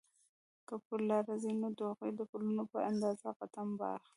که پر لاره ځې نو د هغوی د پلونو په اندازه قدم به اخلې.